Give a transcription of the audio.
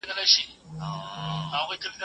شاعر د خپل زړه سود په وصال کې لټوي.